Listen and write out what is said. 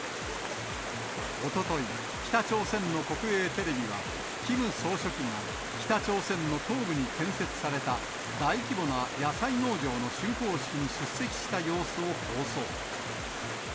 おととい、北朝鮮の国営テレビは、キム総書記が北朝鮮の東部に建設された大規模な野菜農場のしゅんこう式に出席した様子を放送。